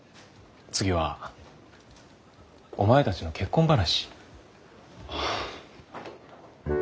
次はお前たちの結婚話。